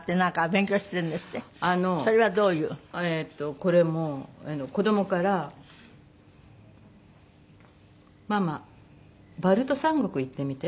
これも子供から「ママバルト三国言ってみて」。